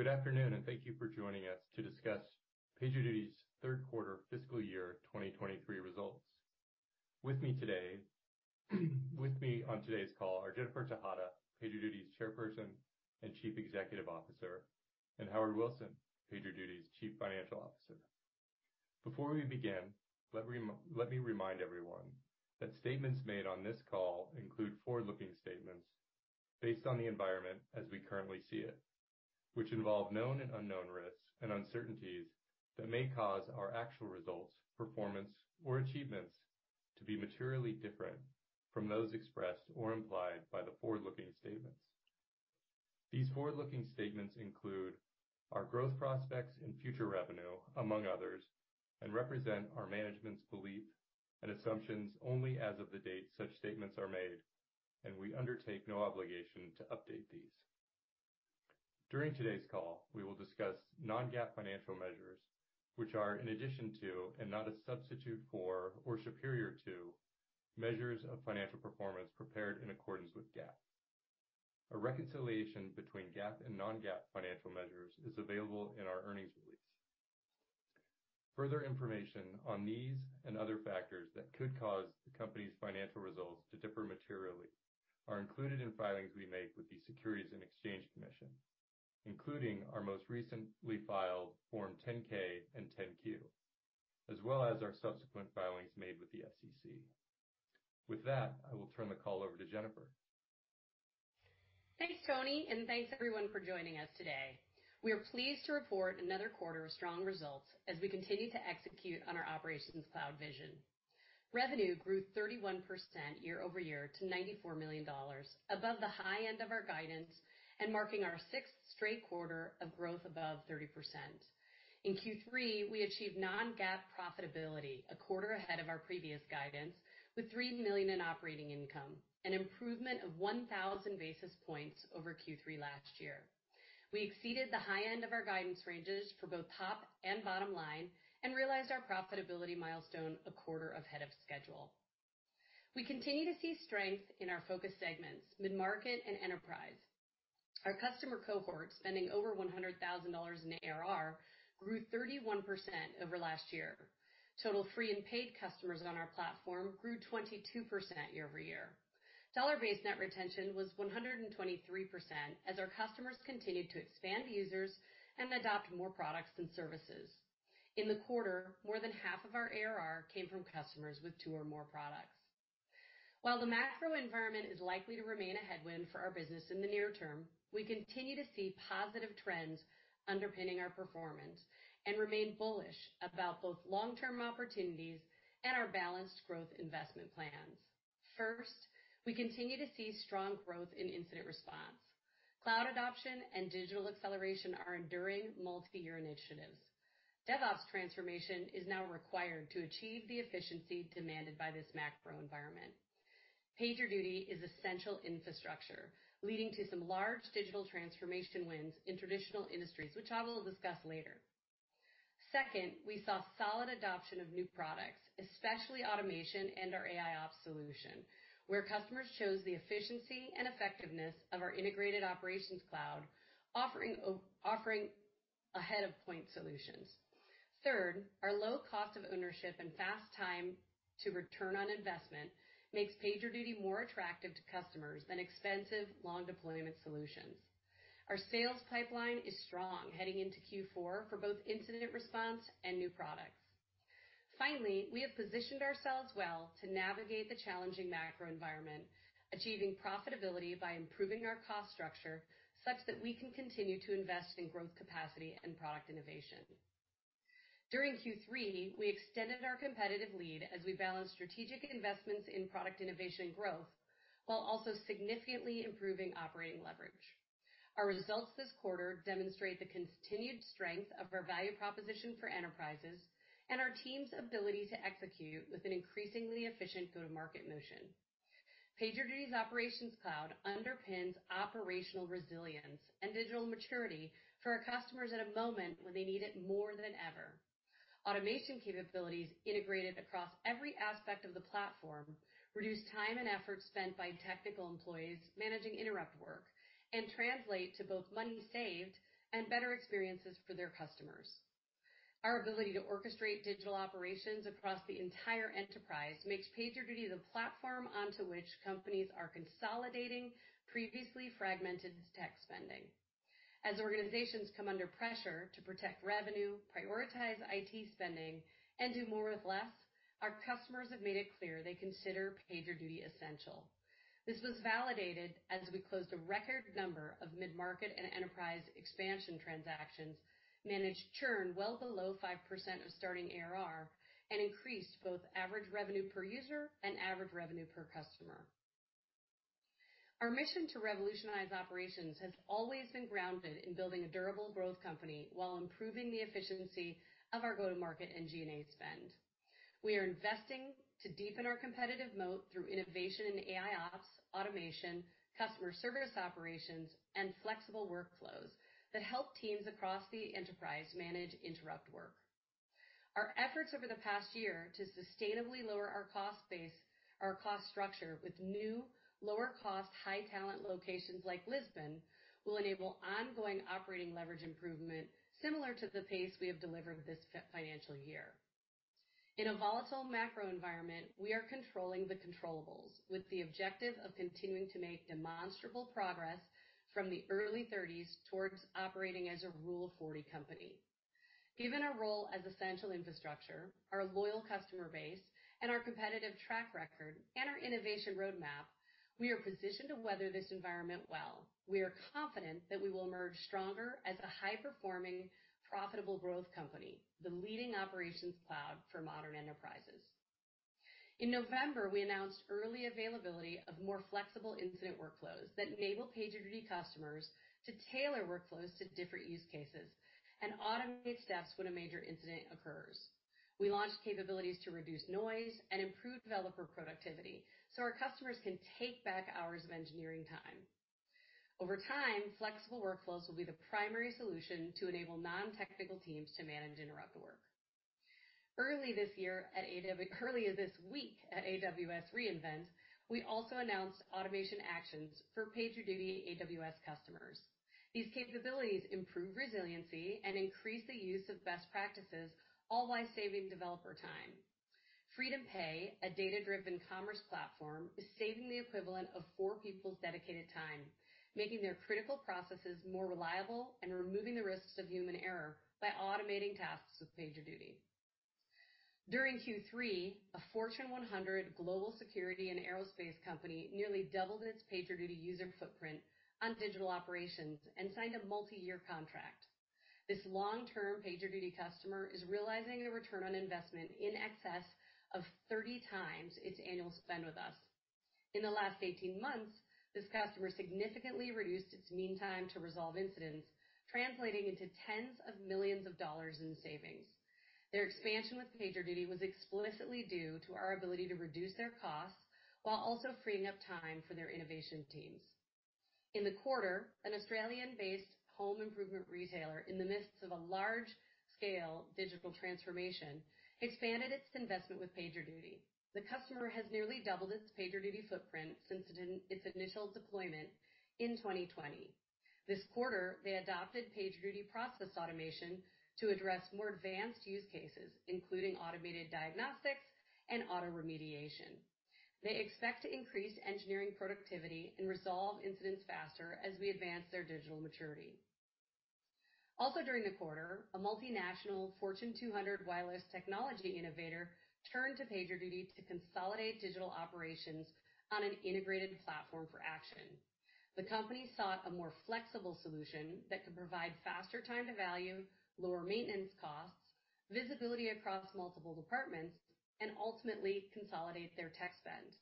Good afternoon, and thank you for joining us to discuss PagerDuty's third quarter fiscal year 2023 results. With me on today's call are Jennifer Tejada, PagerDuty's Chairperson and Chief Executive Officer, and Howard Wilson, PagerDuty's Chief Financial Officer. Before we begin, let me remind everyone that statements made on this call include forward-looking statements based on the environment as we currently see it, which involve known and unknown risks and uncertainties that may cause our actual results, performance, or achievements to be materially different from those expressed or implied by the forward-looking statements. These forward-looking statements include our growth prospects and future revenue, among others, aod represent our management's belief and assumptions only as of the date such statements are made, and we undertake no obligation to update these. During today's call, we will discuss non-GAAP financial measures, which are in addition to and not a substitute for or superior to measures of financial performance prepared in accordance with GAAP. A reconciliation between GAAP and non-GAAP financial measures is available in our earnings release. Further information on these and other factors that could cause the company's financial results to differ materially are included in filings we make with the Securities and Exchange Commission, including our most recently filed Form 10-K and Form 10-Q, as well as our subsequent filings made with the SEC. With that, I will turn the call over to Jennifer. Thanks, Tony, and thanks everyone for joining us today. We are pleased to report another quarter of strong results as we continue to execute on our Operations Cloud vision. Revenue grew 31% year-over-year to $94 million, above the high end of our guidance and marking our sixth straight quarter of growth above 30%. In Q3, we achieved non-GAAP profitability a quarter ahead of our previous guidance with $3 million in operating income, an improvement of 1,000 basis points over Q3 last year. We exceeded the high end of our guidance ranges for both top and bottom line and realized our profitability milestone a quarter ahead of schedule. We continue to see strength in our focus segments, mid-market and enterprise. Our customer cohort spending over $100,000 in ARR grew 31% over last year. Total free and paid customers on our platform grew 22% year-over-year. Dollar-based net retention was 123% as our customers continued to expand users and adopt more products and services. In the quarter, more than half of our ARR came from customers with two or more products. While the macro environment is likely to remain a headwind for our business in the near term, we continue to see positive trends underpinning our performance and remain bullish about both long-term opportunities and our balanced growth investment plans. First, we continue to see strong growth in incident response. Cloud adoption and digital acceleration are enduring multi-year initiatives. DevOps transformation is now required to achieve the efficiency demanded by this macro environment. PagerDuty is essential infrastructure, leading to some large digital transformation wins in traditional industries, which I will discuss later. Second, we saw solid adoption of new products, especially automation and our AIOps solution, where customers chose the efficiency and effectiveness of our integrated operations cloud offering ahead of point solutions. Third, our low cost of ownership and fast time to return on investment makes PagerDuty more attractive to customers than expensive long deployment solutions. Our sales pipeline is strong heading into Q4 for both incident response and new products. Finally, we have positioned ourselves well to navigate the challenging macro environment, achieving profitability by improving our cost structure such that we can continue to invest in growth capacity and product innovation. During Q3, we extended our competitive lead as we balanced strategic investments in product innovation growth while also significantly improving operating leverage. Our results this quarter demonstrate the continued strength of our value proposition for enterprises and our team's ability to execute with an increasingly efficient go-to-market motion. PagerDuty's Operations Cloud underpins operational resilience and digital maturity for our customers at a moment when they need it more than ever. Automation capabilities integrated across every aspect of the platform reduce time and effort spent by technical employees managing interrupt work and translate to both money saved and better experiences for their customers. Our ability to orchestrate digital operations across the entire enterprise makes PagerDuty the platform onto which companies are consolidating previously fragmented tech spending. As organizations come under pressure to protect revenue, prioritize IT spending, and do more with less, our customers have made it clear they consider PagerDuty essential. This was validated as we closed a record number of mid-market and enterprise expansion transactions, managed churn well below 5% of starting ARR, and increased both average revenue per user and average revenue per customer. Our mission to revolutionize operations has always been grounded in building a durable growth company while improving the efficiency of our go-to-market and G&A spend. We are investing to deepen our competitive moat through innovation in AIOps, automation, customer service operations, and flexible workflows that help teams across the enterprise manage interrupt work. Our efforts over the past year to sustainably lower our cost base, our cost structure with new lower cost, high talent locations like Lisbon will enable ongoing operating leverage improvement similar to the pace we have delivered this financial year. In a volatile macro environment, we are controlling the controllables with the objective of continuing to make demonstrable progress from the early 30s towards operating as a Rule of 40 company. Given our role as essential infrastructure, our loyal customer base and our competitive track record and our innovation roadmap, we are positioned to weather this environment well. We are confident that we will emerge stronger as a high-performing, profitable growth company, the leading Operations Cloud for modern enterprises. In November, we announced early availability of more flexible Incident Workflows that enable PagerDuty customers to tailor workflows to different use cases and automate steps when a major incident occurs. We launched capabilities to reduce noise and improve developer productivity so our customers can take back hours of engineering time. Over time, flexible Incident Workflows will be the primary solution to enable non-technical teams to manage interrupt work. Early this week at AWS re:Invent, we also announced Automation Actions for PagerDuty AWS customers. These capabilities improve resiliency and increase the use of best practices, all while saving developer time. FreedomPay, a data-driven commerce platform, is saving the equivalent of four people's dedicated time, making their critical processes more reliable and removing the risks of human error by automating tasks with PagerDuty. During Q3, a Fortune 100 global security and aerospace company nearly doubled its PagerDuty user footprint on digital operations and signed a multi-year contract. This long-term PagerDuty customer is realizing a return on investment in excess of 30x its annual spend with us. In the last 18 months, this customer significantly reduced its meantime to resolve incidents, translating into tens of millions of dollars in savings. Their expansion with PagerDuty was explicitly due to our ability to reduce their costs while also freeing up time for their innovation teams. In the quarter, an Australian-based home improvement retailer in the midst of a large scale digital transformation expanded its investment with PagerDuty. The customer has nearly doubled its PagerDuty footprint since its initial deployment in 2020. This quarter, they adopted PagerDuty Process Automation to address more advanced use cases, including automated diagnostics and auto remediation. They expect to increase engineering productivity and resolve incidents faster as we advance their digital maturity. During the quarter, a multinational Fortune 200 wireless technology innovator turned to PagerDuty to consolidate digital operations on an integrated platform for action. The company sought a more flexible solution that could provide faster time to value, lower maintenance costs, visibility across multiple departments, and ultimately consolidate their tech spend.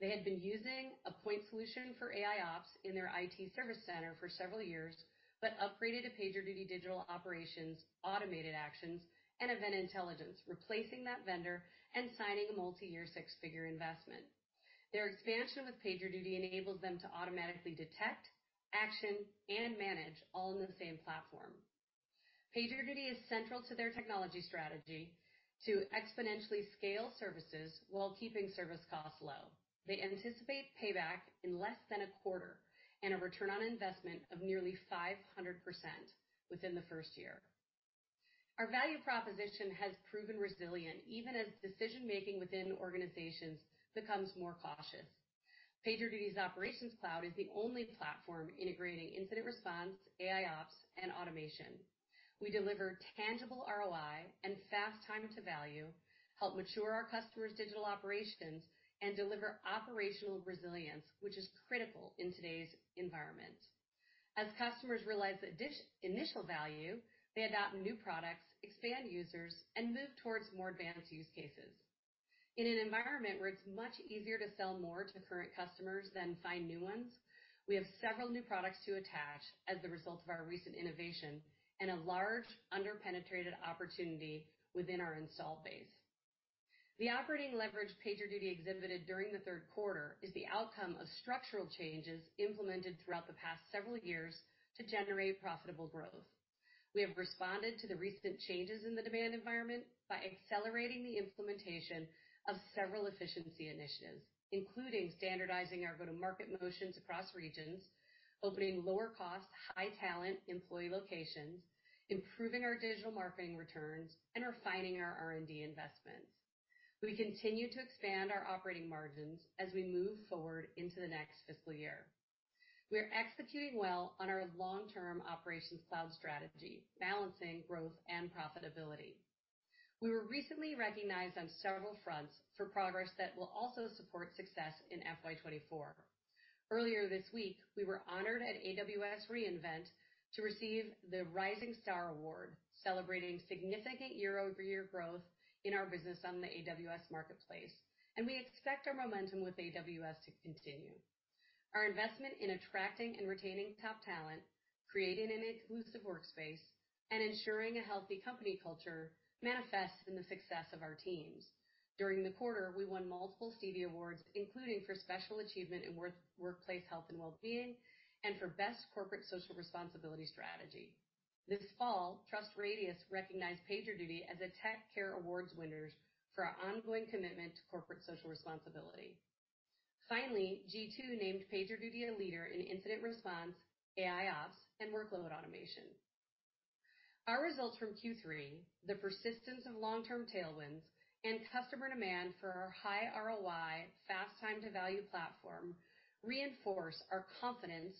They had been using a point solution for AIOps in their IT service center for several years, but upgraded to PagerDuty Digital Operations, Automated Actions, and Event Intelligence, replacing that vendor and signing a multi-year six-figure investment. Their expansion with PagerDuty enables them to automatically detect, action, and manage all in the same platform. PagerDuty is central to their technology strategy to exponentially scale services while keeping service costs low. They anticipate payback in less than a quarter and a return on investment of nearly 500% within the first year. Our value proposition has proven resilient, even as decision-making within organizations becomes more cautious. PagerDuty's Operations Cloud is the only platform integrating incident response, AIOps and automation. We deliver tangible ROI and fast time to value, help mature our customers' digital operations, and deliver operational resilience, which is critical in today's environment. As customers realize initial value, they adopt new products, expand users, and move towards more advanced use cases. In an environment where it's much easier to sell more to current customers than find new ones, we have several new products to attach as the result of our recent innovation and a large under-penetrated opportunity within our install base. The operating leverage PagerDuty exhibited during the third quarter is the outcome of structural changes implemented throughout the past several years to generate profitable growth. We have responded to the recent changes in the demand environment by accelerating the implementation of several efficiency initiatives, including standardizing our go-to-market motions across regions, opening lower cost, high talent employee locations, improving our digital marketing returns, and refining our R&D investments. We continue to expand our operating margins as we move forward into the next fiscal year. We are executing well on our long-term operations cloud strategy, balancing growth and profitability. We were recently recognized on several fronts for progress that will also support success in FY 2024. Earlier this week, we were honored at AWS re:Invent to receive the Rising Star Award, celebrating significant year-over-year growth in our business on the AWS Marketplace. We expect our momentum with AWS to continue. Our investment in attracting and retaining top talent, creating an inclusive workspace, and ensuring a healthy company culture manifests in the success of our teams. During the quarter, we won multiple Stevie Awards, including for special achievement in workplace health and well-being and for best corporate social responsibility strategy. This fall, TrustRadius recognized PagerDuty as a Tech Cares Awards winners for our ongoing commitment to corporate social responsibility. G2 named PagerDuty a leader in incident response, AIOps, and workload automation. Our results from Q3, the persistence of long-term tailwinds, and customer demand for our high ROI fast time to value platform reinforce our confidence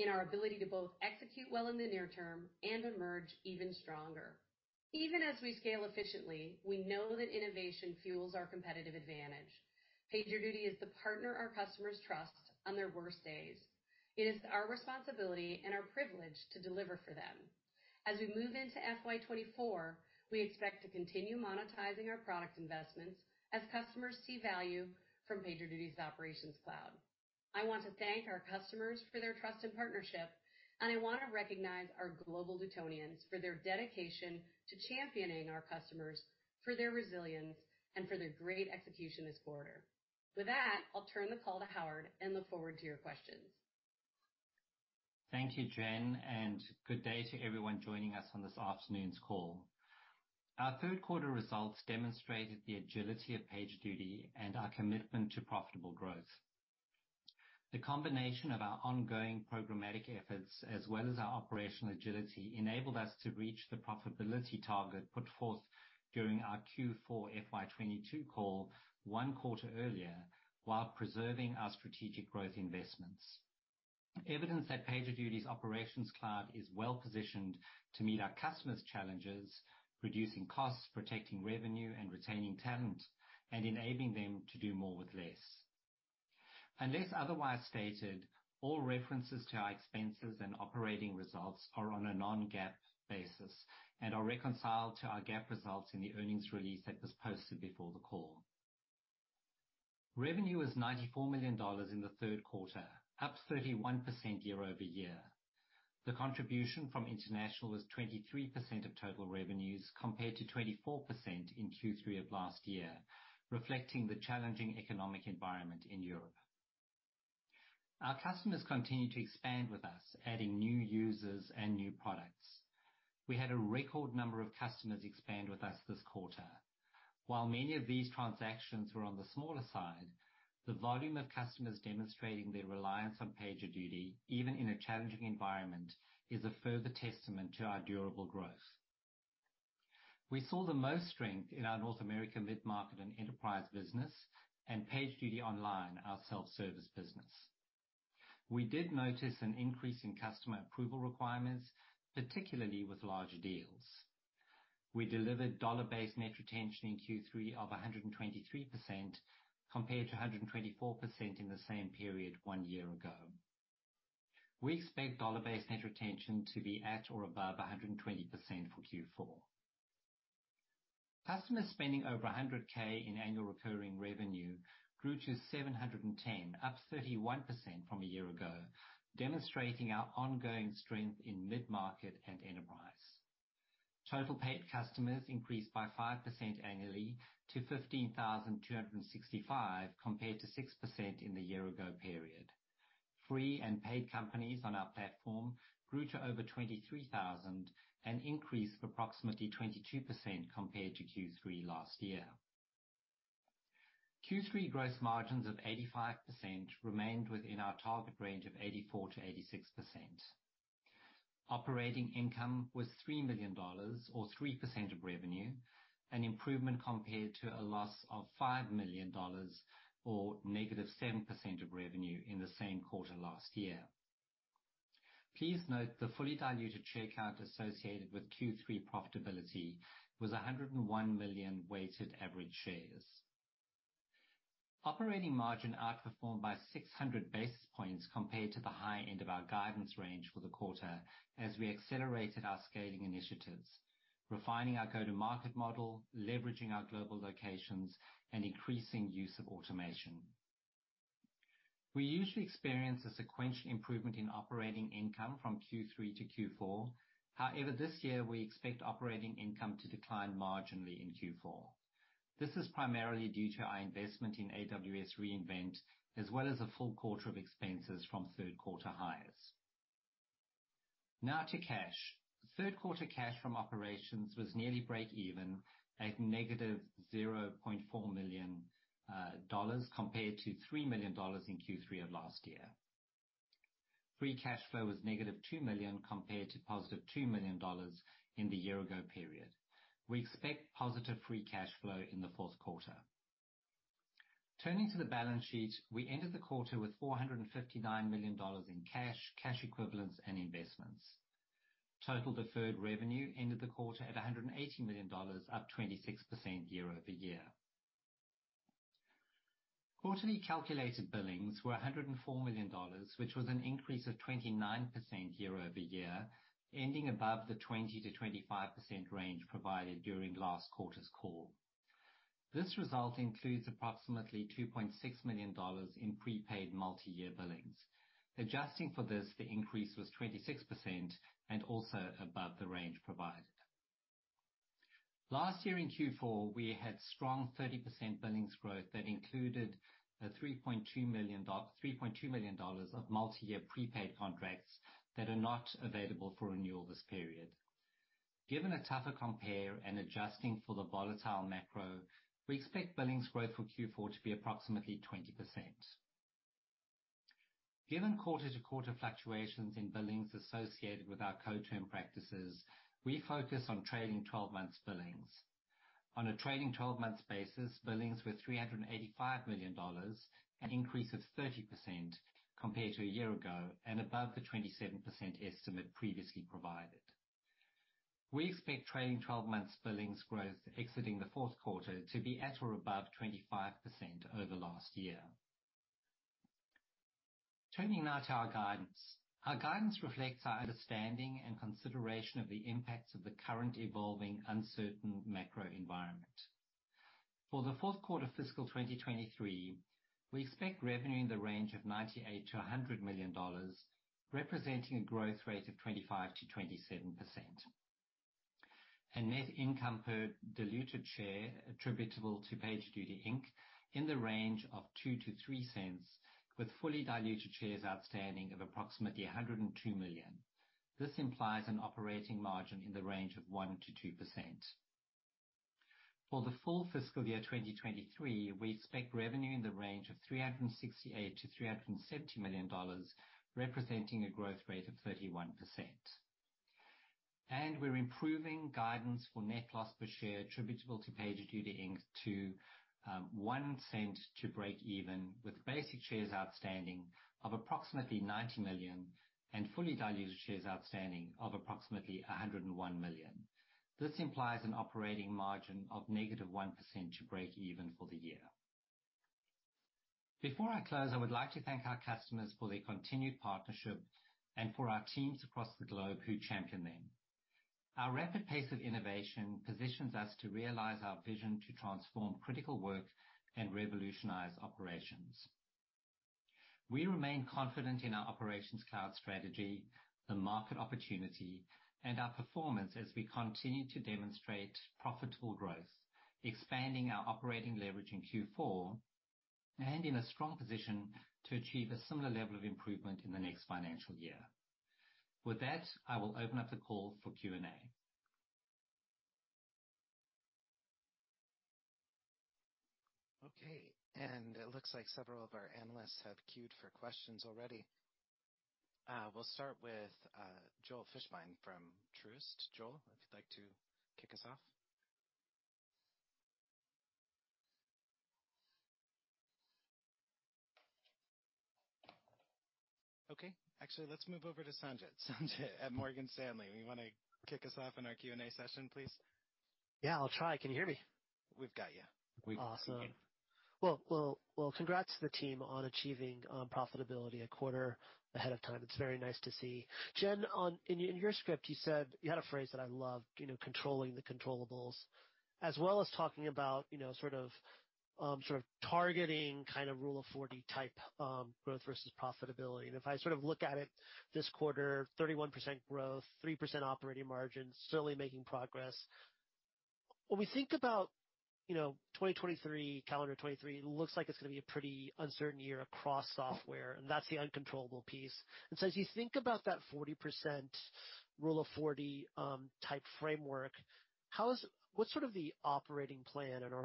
in our ability to both execute well in the near term and emerge even stronger. Even as we scale efficiently, we know that innovation fuels our competitive advantage. PagerDuty is the partner our customers trust on their worst days. It is our responsibility and our privilege to deliver for them. As we move into FY 2024, we expect to continue monetizing our product investments as customers see value from PagerDuty Operations Cloud. I want to thank our customers for their trust and partnership, and I wanna recognize our global Dutonians for their dedication to championing our customers, for their resilience, and for their great execution this quarter. With that, I'll turn the call to Howard and look forward to your questions. Thank you, Jen. Good day to everyone joining us on this afternoon's call. Our third quarter results demonstrated the agility of PagerDuty and our commitment to profitable growth. The combination of our ongoing programmatic efforts as well as our operational agility enabled us to reach the profitability target put forth during our Q4 FY 2022 call one quarter earlier, while preserving our strategic growth investments. Evidence that PagerDuty Operations Cloud is well-positioned to meet our customers' challenges, reducing costs, protecting revenue, and retaining talent, and enabling them to do more with less. Unless otherwise stated, all references to our expenses and operating results are on a non-GAAP basis and are reconciled to our GAAP results in the earnings release that was posted before the call. Revenue was $94 million in the third quarter, up 31% year-over-year. The contribution from international was 23% of total revenues compared to 24% in Q3 of last year, reflecting the challenging economic environment in Europe. Our customers continue to expand with us, adding new users and new products. We had a record number of customers expand with us this quarter. While many of these transactions were on the smaller side, the volume of customers demonstrating their reliance on PagerDuty, even in a challenging environment, is a further testament to our durable growth. We saw the most strength in our North American mid-market and enterprise business and PagerDuty Online, our self-service business. We did notice an increase in customer approval requirements, particularly with larger deals. We delivered dollar-based net retention in Q3 of 123% compared to 124% in the same period one year ago. We expect dollar-based net retention to be at or above 120% for Q4. Customers spending over $100K in annual recurring revenue grew to 710, up 31% from a year ago, demonstrating our ongoing strength in mid-market and enterprise. Total paid customers increased by 5% annually to 15,265, compared to 6% in the year ago period. Free and paid companies on our platform grew to over 23,000, an increase of approximately 22% compared to Q3 last year. Q3 gross margins of 85% remained within our target range of 84%-86%. Operating income was $3 million or 3% of revenue, an improvement compared to a loss of $5 million or -7% of revenue in the same quarter last year. Please note the fully diluted share count associated with Q3 profitability was 101 million weighted average shares. Operating margin outperformed by 600 basis points compared to the high end of our guidance range for the quarter as we accelerated our scaling initiatives, refining our go-to-market model, leveraging our global locations, and increasing use of automation. We usually experience a sequential improvement in operating income from Q3 to Q4. However, this year, we expect operating income to decline marginally in Q4. This is primarily due to our investment in AWS re:Invent, as well as a full quarter of expenses from third quarter hires. Now to cash. Third quarter cash from operations was nearly break even at -$0.4 million compared to $3 million in Q3 of last year. Free cash flow was -$2 million compared to +$2 million in the year-ago period. We expect positive free cash flow in the fourth quarter. Turning to the balance sheet, we ended the quarter with $459 million in cash equivalents, and investments. Total deferred revenue ended the quarter at $180 million, up 26% year-over-year. Quarterly calculated billings were $104 million, which was an increase of 29% year-over-year, ending above the 20%-25% range provided during last quarter's call. This result includes approximately $2.6 million in prepaid multi-year billings. Adjusting for this, the increase was 26% and also above the range provided. Last year in Q4, we had strong 30% billings growth that included $3.2 million of multi-year prepaid contracts that are not available for renewal this period. Given a tougher compare and adjusting for the volatile macro, we expect billings growth for Q4 to be approximately 20%. Given quarter-to-quarter fluctuations in billings associated with our co-term practices, we focus on trailing 12 months billings. On a trailing 12 months basis, billings were $385 million, an increase of 30% compared to a year ago and above the 27% estimate previously provided. We expect trailing 12 months billings growth exiting the fourth quarter to be at or above 25% over last year. Turning now to our guidance. Our guidance reflects our understanding and consideration of the impacts of the current evolving uncertain macro environment. For the fourth quarter fiscal 2023, we expect revenue in the range of $98 million-$100 million, representing a growth rate of 25%-27%. Net income per diluted share attributable to PagerDuty Inc. in the range of $0.02-$0.03, with fully diluted shares outstanding of approximately 102 million. This implies an operating margin in the range of 1%-2%. For the full fiscal year 2023, we expect revenue in the range of $368 million-$370 million, representing a growth rate of 31%. We're improving guidance for net loss per share attributable to PagerDuty Inc. to, $0.01 to break even, with basic shares outstanding of approximately 90 million and fully diluted shares outstanding of approximately 101 million. This implies an operating margin of negative 1% to break even for the year. Before I close, I would like to thank our customers for their continued partnership and for our teams across the globe who champion them. Our rapid pace of innovation positions us to realize our vision to transform critical work and revolutionize operations. We remain confident in our Operations Cloud strategy, the market opportunity, and our performance as we continue to demonstrate profitable growth, expanding our operating leverage in Q4 and in a strong position to achieve a similar level of improvement in the next financial year. With that, I will open up the call for Q&A. Okay. It looks like several of our analysts have queued for questions already. We'll start with Joel Fishbein from Truist. Joel, if you'd like to kick us off. Okay. Actually, let's move over to Sanjit. Sanjit at Morgan Stanley. You wanna kick us off in our Q&A session, please? Yeah, I'll try. Can you hear me? We've got you. We can. Awesome. Well, well, congrats to the team on achieving profitability a quarter ahead of time. It's very nice to see. Jen, in your script, you said you had a phrase that I love, you know, controlling the controllables, as well as talking about, you know, sort of targeting kind of Rule of 40 type growth versus profitability. If I sort of look at it this quarter, 31% growth, 3% operating margin, certainly making progress. When we think about, you know, 2023, calendar 2023, it looks like it's gonna be a pretty uncertain year across software, and that's the uncontrollable piece. So as you think about that 40% Rule of 40 type framework, what's sort of the operating plan? In other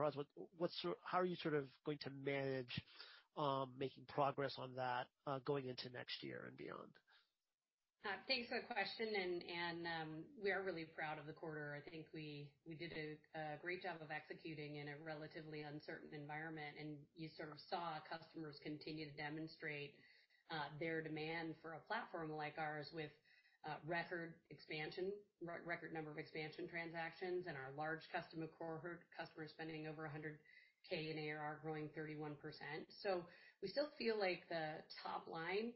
words, how are you sort of going to manage, making progress on that, going into next year and beyond? Thanks for the question. We are really proud of the quarter. I think we did a great job of executing in a relatively uncertain environment. You sort of saw customers continue to demonstrate their demand for a platform like ours with record expansion, record number of expansion transactions, and our large customer cohort, customers spending over 100K in ARR growing 31%. We still feel like the top line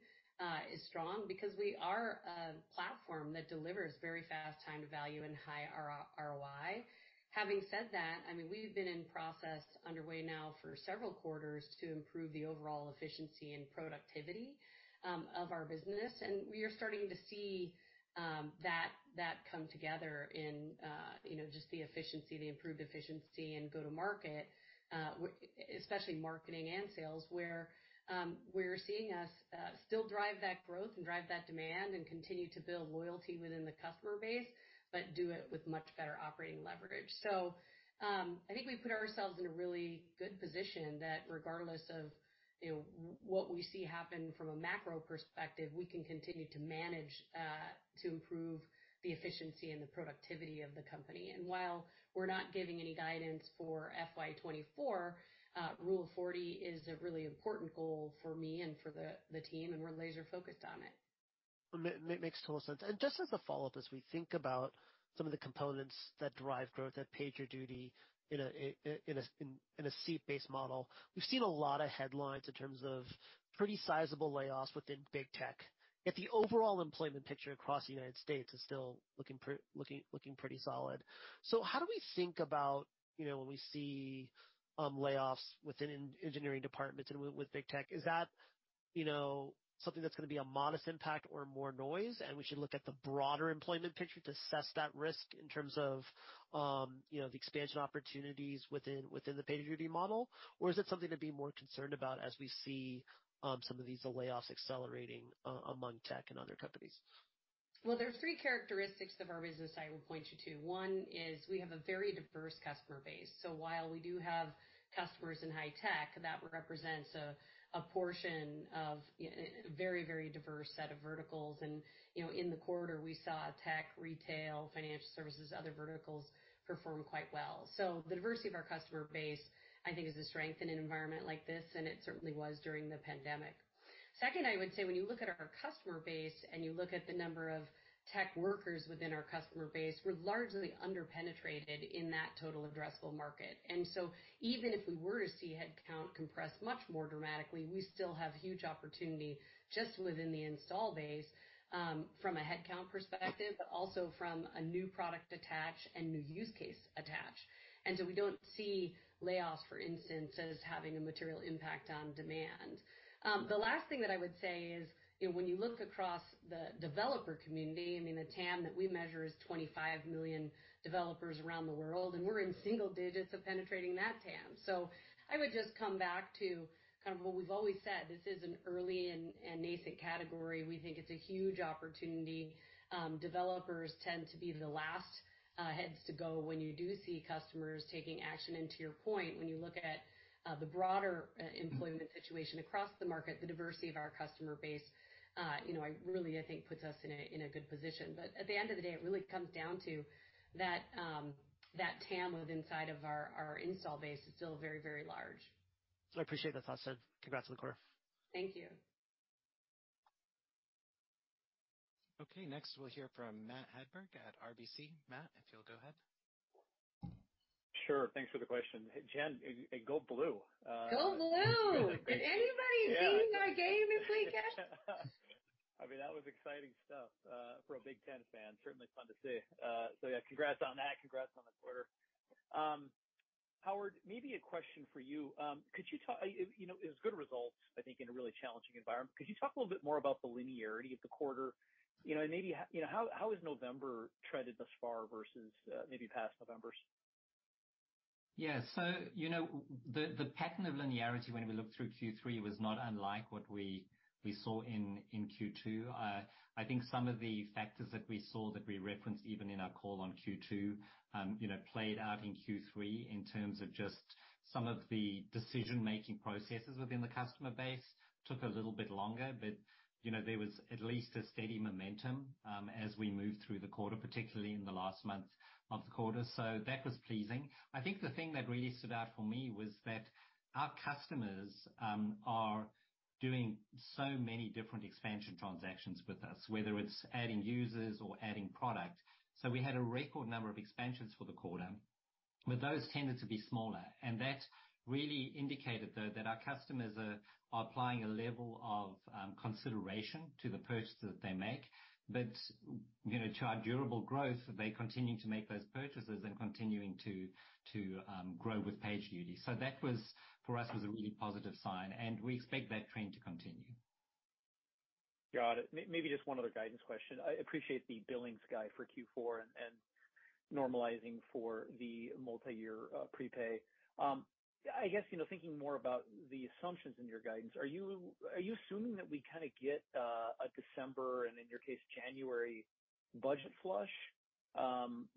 is strong because we are a platform that delivers very fast time to value and high ROI. Having said that, I mean, we've been in process underway now for several quarters to improve the overall efficiency and productivity of our business. We are starting to see that come together in, you know, just the efficiency, the improved efficiency and go-to-market, especially marketing and sales, where we're seeing us still drive that growth and drive that demand and continue to build loyalty within the customer base, but do it with much better operating leverage. I think we put ourselves in a really good position that regardless of, you know, what we see happen from a macro perspective, we can continue to manage to improve the efficiency and the productivity of the company. While we're not giving any guidance for FY 2024, Rule of 40 is a really important goal for me and for the team, and we're laser focused on it. Makes total sense. Just as a follow-up, as we think about some of the components that drive growth at PagerDuty in a seat-based model. We've seen a lot of headlines in terms of pretty sizable layoffs within Big Tech, yet the overall employment picture across the United States is still looking pretty solid. How do we think about, you know, when we see layoffs within engineering departments and with Big Tech, is that... You know, something that's gonna be a modest impact or more noise, and we should look at the broader employment picture to assess that risk in terms of, you know, the expansion opportunities within the PagerDuty model? Is it something to be more concerned about as we see, some of these layoffs accelerating, among tech and other companies? There's 3 characteristics of our business I would point you to. One is we have a very diverse customer base. While we do have customers in high tech, that represents a portion of a very, very diverse set of verticals. You know, in the quarter, we saw tech, retail, financial services, other verticals perform quite well. The diversity of our customer base, I think, is a strength in an environment like this, and it certainly was during the pandemic. Second, I would say when you look at our customer base and you look at the number of tech workers within our customer base, we're largely under-penetrated in that total addressable market. Even if we were to see headcount compress much more dramatically, we still have huge opportunity just within the install base, from a headcount perspective, but also from a new product attach and new use case attach. We don't see layoffs, for instance, as having a material impact on demand. The last thing that I would say is, you know, when you look across the developer community, I mean, the TAM that we measure is 25 million developers around the world, and we're in single digits of penetrating that TAM. I would just come back to kind of what we've always said, this is an early and nascent category. We think it's a huge opportunity. Developers tend to be the last heads to go when you do see customers taking action. To your point, when you look at, the broader. Mm-hmm. -employment situation across the market, the diversity of our customer base, you know, really, I think puts us in a, in a good position. At the end of the day, it really comes down to that TAM inside of our install base is still very, very large. I appreciate the thoughts. Congrats on the quarter. Thank you. Okay. Next, we'll hear from Matthew Hedberg at RBC. Matt, if you'll go ahead. Sure. Thanks for the question. Jen, go blue. Go blue. Did anybody see our game this weekend? I mean, that was exciting stuff for a Big Ten fan. Certainly fun to see. Yeah, congrats on that. Congrats on the quarter. Howard, maybe a question for you. You know, it was good results, I think, in a really challenging environment. Could you talk a little bit more about the linearity of the quarter? You know, and maybe how, you know, how has November treaded thus far versus maybe past Novembers? Yeah. You know, the pattern of linearity when we looked through Q3 was not unlike what we saw in Q2. I think some of the factors that we saw that we referenced even in our call on Q2, you know, played out in Q3 in terms of just some of the decision-making processes within the customer base took a little bit longer. You know, there was at least a steady momentum as we moved through the quarter, particularly in the last month of the quarter. That was pleasing. I think the thing that really stood out for me was that our customers are doing so many different expansion transactions with us, whether it's adding users or adding product. We had a record number of expansions for the quarter, but those tended to be smaller, and that really indicated, though, that our customers are applying a level of consideration to the purchase that they make. You know, to our durable growth, they continue to make those purchases and continuing to grow with PagerDuty. That was, for us, was a really positive sign, and we expect that trend to continue. Got it. Maybe just one other guidance question. I appreciate the billings guide for Q4 and normalizing for the multiyear prepay. I guess, you know, thinking more about the assumptions in your guidance, are you assuming that we kinda get a December and, in your case, January budget flush?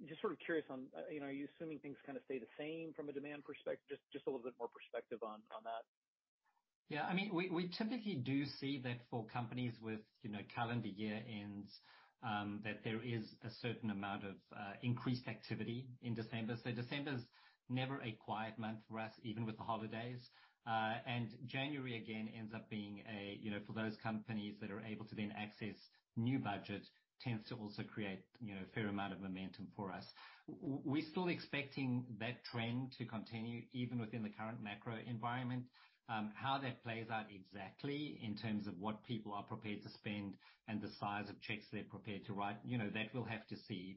Just sort of curious on, you know, are you assuming things kinda stay the same from a demand perspective? Just a little bit more perspective on that. Yeah. I mean, we typically do see that for companies with, you know, calendar year ends, that there is a certain amount of increased activity in December. December's never a quiet month for us, even with the holidays. January again ends up being a, you know, for those companies that are able to then access new budget tends to also create, you know, a fair amount of momentum for us. We're still expecting that trend to continue even within the current macro environment. How that plays out exactly in terms of what people are prepared to spend and the size of checks they're prepared to write, you know, that we'll have to see.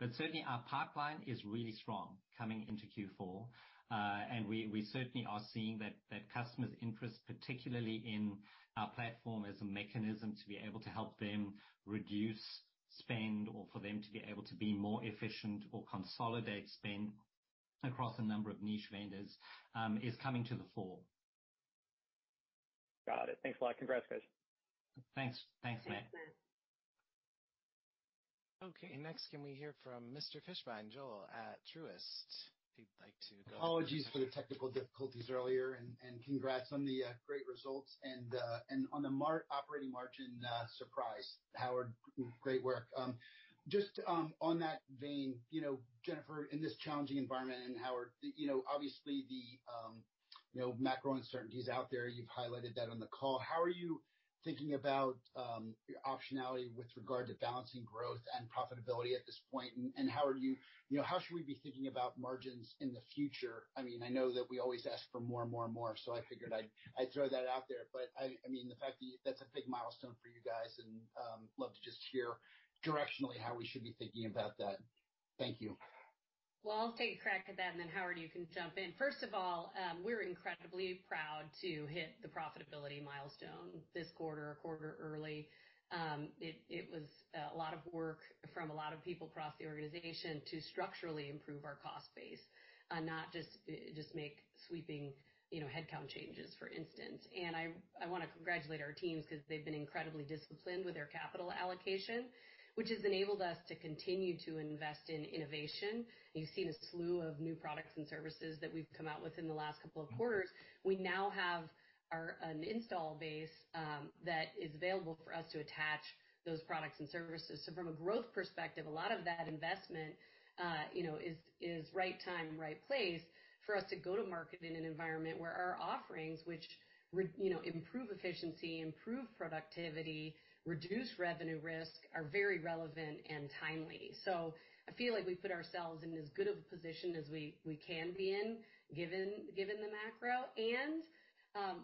Certainly our pipeline is really strong coming into Q4. We certainly are seeing that customers' interest, particularly in our platform as a mechanism to be able to help them reduce spend or for them to be able to be more efficient or consolidate spend across a number of niche vendors, is coming to the fore. Got it. Thanks a lot. Congrats, guys. Thanks. Thanks, Matt. Thanks, Matt. Okay. Next, can we hear from Mr. Fishbein, Joel at Truist? If he'd like to go. Apologies for the technical difficulties earlier, congrats on the great results and on the operating margin surprise. Howard, great work. Just on that vein, you know, Jennifer, in this challenging environment, and Howard, you know, obviously the, you know, macro uncertainties out there, you've highlighted that on the call. How are you thinking about your optionality with regard to balancing growth and profitability at this point? How are you know, how should we be thinking about margins in the future? I mean, I know that we always ask for more and more and more, so I figured I'd throw that out there. I mean, the fact that that's a big milestone for you guys and love to just hear directionally how we should be thinking about that. Thank you. Well, I'll take a crack at that, then Howard, you can jump in. First of all, we're incredibly proud to hit the profitability milestone this quarter, a quarter early. It was a lot of work from a lot of people across the organization to structurally improve our cost base, not just make sweeping, you know, headcount changes, for instance. I wanna congratulate our teams 'cause they've been incredibly disciplined with their capital allocation, which has enabled us to continue to invest in innovation. You've seen a slew of new products and services that we've come out with in the last couple of quarters. We now have an install base that is available for us to attach those products and services. From a growth perspective, a lot of that investment, you know, is right time, right place for us to go to market in an environment where our offerings, which you know, improve efficiency, improve productivity, reduce revenue risk, are very relevant and timely. I feel like we put ourselves in as good of a position as we can be in given the macro.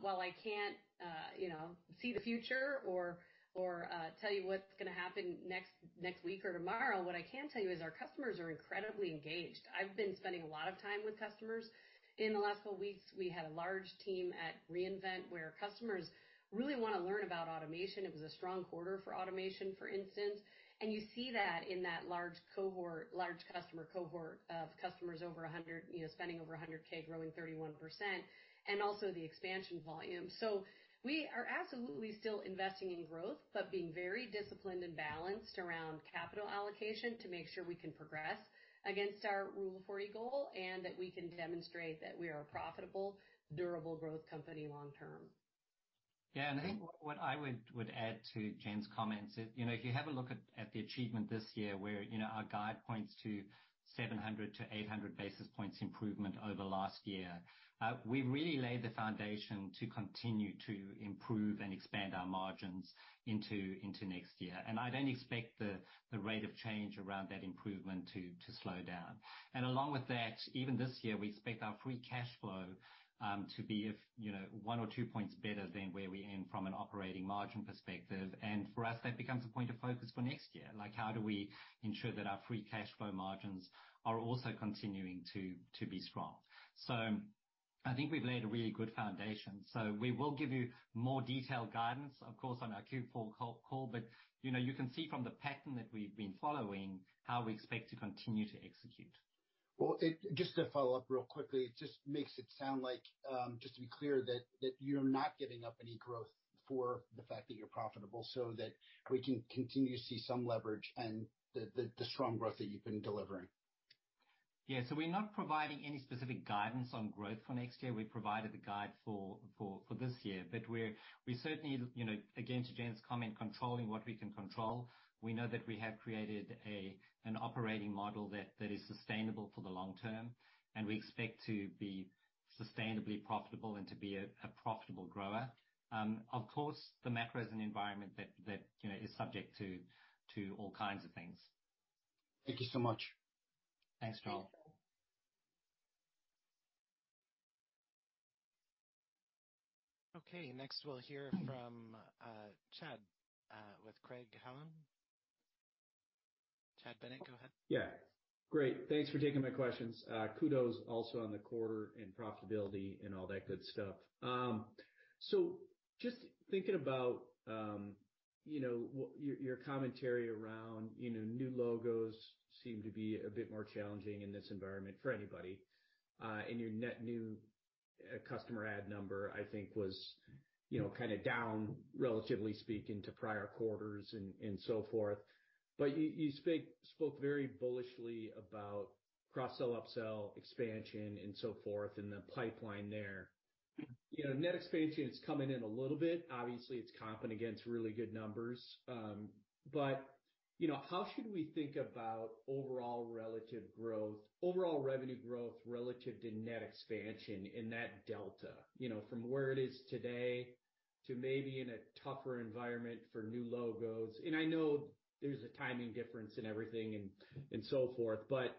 While I can't, you know, see the future or tell you what's gonna happen next week or tomorrow, what I can tell you is our customers are incredibly engaged. I've been spending a lot of time with customers. In the last couple weeks, we had a large team at re:Invent, where customers really wanna learn about automation. It was a strong quarter for automation, for instance. You see that in that large cohort, large customer cohort of customers over 100, you know, spending over 100K, growing 31%, and also the expansion volume. We are absolutely still investing in growth, but being very disciplined and balanced around capital allocation to make sure we can progress against our Rule 40 goal, and that we can demonstrate that we are a profitable, durable growth company long term. Yeah. I think what I would add to Jen's comments is, you know, if you have a look at the achievement this year where, you know, our guide points to 700 basis points-800 basis points improvement over last year, we've really laid the foundation to continue to improve and expand our margins into next year. I don't expect the rate of change around that improvement to slow down. Along with that, even this year, we expect our free cash flow, you know, one or two points better than where we end from an operating margin perspective. For us, that becomes a point of focus for next year, like how do we ensure that our free cash flow margins are also continuing to be strong? I think we've laid a really good foundation. We will give you more detailed guidance, of course, on our Q4 call, but, you know, you can see from the pattern that we've been following how we expect to continue to execute. Well, Just to follow up real quickly, it just makes it sound like, just to be clear, that you're not giving up any growth for the fact that you're profitable, so that we can continue to see some leverage and the strong growth that you've been delivering. Yeah. We're not providing any specific guidance on growth for next year. We provided the guide for this year. We certainly, you know, again, to Jen's comment, controlling what we can control. We know that we have created an operating model that is sustainable for the long term, and we expect to be sustainably profitable and to be a profitable grower. Of course, the macro is an environment that, you know, is subject to all kinds of things. Thank you so much. Thanks, Joel. Okay. Next we'll hear from, Chad, with Craig-Hallum. Chad Bennett, go ahead. Yeah. Great. Thanks for taking my questions. Kudos also on the quarter and profitability and all that good stuff. So just thinking about, you know, your commentary around, you know, new logos seem to be a bit more challenging in this environment for anybody. Your net new customer ad number I think was, you know, kinda down relatively speaking to prior quarters and so forth. You spoke very bullishly about cross-sell, up-sell expansion and so forth in the pipeline there. You know, net expansion is coming in a little bit. Obviously, it's comping against really good numbers. You know, how should we think about overall revenue growth relative to net expansion in that delta? You know, from where it is today to maybe in a tougher environment for new logos? I know there's a timing difference in everything and so forth, but,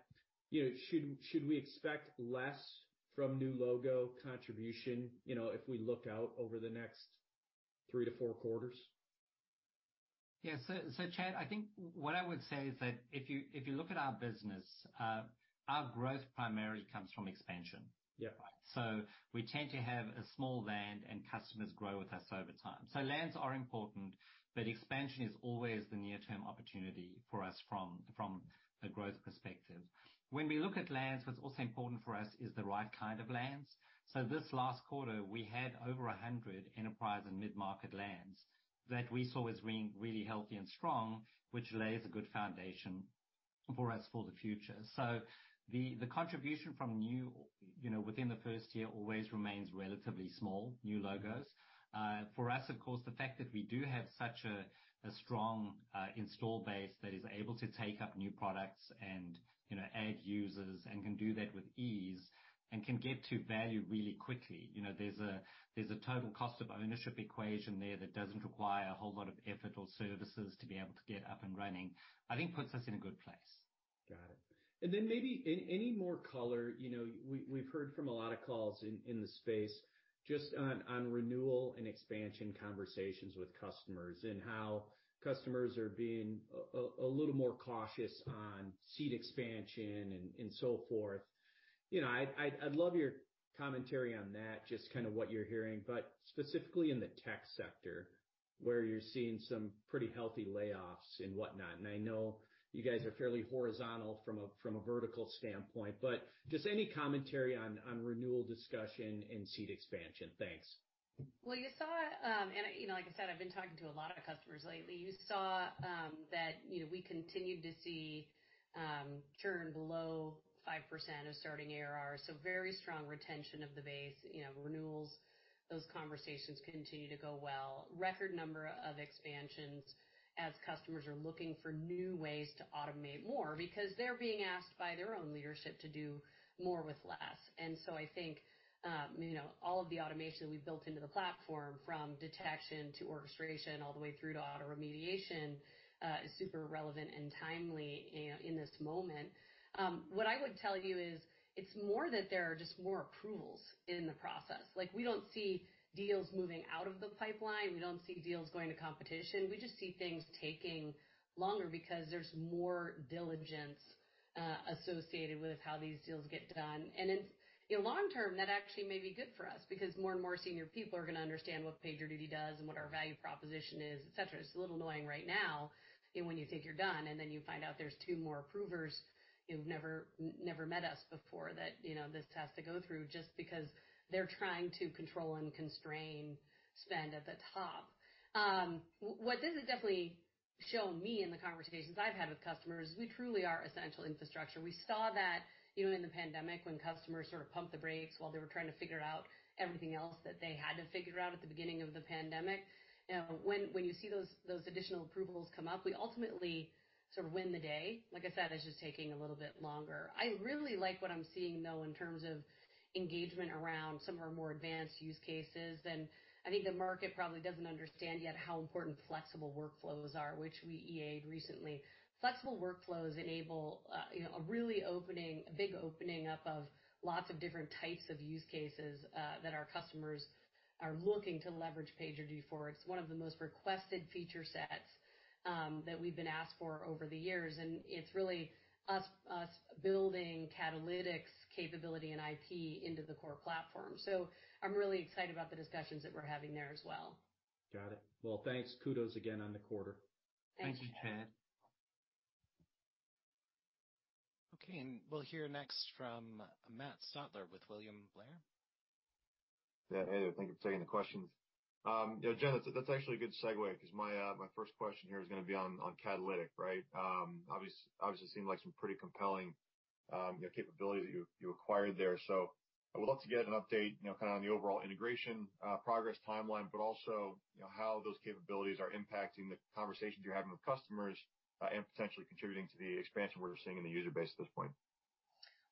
you know, should we expect less from new logo contribution, you know, if we look out over the next three to four quarters? Chad, I think what I would say is that if you look at our business, our growth primarily comes from expansion. Yeah. We tend to have a small land and customers grow with us over time. Lands are important, but expansion is always the near-term opportunity for us from a growth perspective. When we look at lands, what's also important for us is the right kind of lands. This last quarter, we had over 100 enterprise and mid-market lands that we saw as being really healthy and strong, which lays a good foundation for us for the future. The contribution from new, you know, within the first year always remains relatively small, new logos. For us, of course, the fact that we do have such a strong install base that is able to take up new products and, you know, add users and can do that with ease and can get to value really quickly. You know, there's a total cost of ownership equation there that doesn't require a whole lot of effort or services to be able to get up and running, I think puts us in a good place. Got it. Then maybe any more color, you know, we've heard from a lot of calls in the space just on renewal and expansion conversations with customers and how customers are being a little more cautious on seat expansion and so forth. You know, I'd love your commentary on that, just kinda what you're hearing, but specifically in the tech sector where you're seeing some pretty healthy layoffs and whatnot. I know you guys are fairly horizontal from a vertical standpoint, but just any commentary on renewal discussion and seat expansion. Thanks. Well, you saw, and, you know, like I said, I've been talking to a lot of customers lately. You saw, that, you know, we continued to see churn below 5% of starting ARR, so very strong retention of the base. You know, renewals, those conversations continue to go well. Record number of expansions as customers are looking for new ways to automate more because they're being asked by their own leadership to do more with less. I think, you know, all of the automation we've built into the platform, from detection to orchestration all the way through to auto remediation, is super relevant and timely in this moment. What I would tell you is it's more that there are just more approvals in the process. Like, we don't see deals moving out of the pipeline. We don't see deals going to competition. We just see things taking longer because there's more diligence associated with how these deals get done. In long term, that actually may be good for us because more and more senior people are gonna understand what PagerDuty does and what our value proposition is, et cetera. It's a little annoying right now, you know, when you think you're done, and then you find out there's two more approvers who've never met us before that, you know, this has to go through just because they're trying to control and constrain spend at the top. What this has definitely shown me in the conversations I've had with customers is we truly are essential infrastructure. We saw that, you know, in the pandemic when customers sort of pumped the brakes while they were trying to figure out everything else that they had to figure out at the beginning of the pandemic. You know, when you see those additional approvals come up, we ultimately sort of win the day. Like I said, it's just taking a little bit longer. I really like what I'm seeing, though, in terms of engagement around some of our more advanced use cases. I think the market probably doesn't understand yet how important Incident Workflows are, which we EA'd recently. Flexible workflows enable, you know, a big opening up of lots of different types of use cases that our customers are looking to leverage PagerDuty for. It's one of the most requested feature sets, that we've been asked for over the years, and it's really us building Catalytic's capability and IP into the core platform. I'm really excited about the discussions that we're having there as well. Got it. Well, thanks. Kudos again on the quarter. Thanks. Thank you, Chad. Okay, we'll hear next from Matt Stotler with William Blair. Yeah. Hey there. Thank you for taking the questions. You know, Jen, that's actually a good segue because my first question here is gonna be on Catalytic, right? Obviously seemed like some pretty compelling, you know, capabilities that you acquired there. I would love to get an update, you know, kinda on the overall integration, progress timeline, but also, you know, how those capabilities are impacting the conversations you're having with customers, and potentially contributing to the expansion we're seeing in the user base at this point.